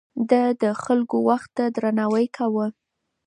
ده د خلکو وخت ته درناوی کاوه.